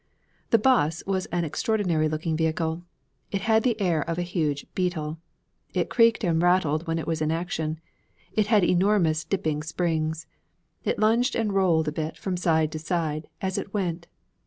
The 'bus was an extraordinary looking vehicle. It had the air of a huge beetle. It creaked and rattled when it was in action. It had enormous dipping springs. It lunged and rolled a bit from side to side as it went.